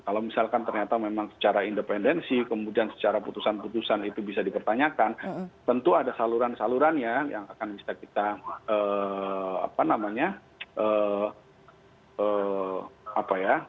kalau misalkan ternyata memang secara independensi kemudian secara putusan putusan itu bisa dipertanyakan tentu ada saluran salurannya yang akan bisa kita apa namanya